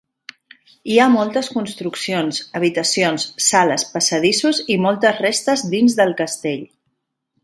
Hi ha moltes construccions, habitacions, sales, passadissos i moltes restes dins del castell.